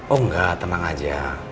oh enggak tenang aja